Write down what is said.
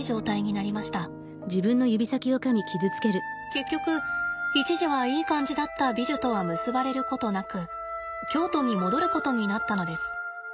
結局一時はいい感じだったビジュとは結ばれることなく京都に戻ることになったのです。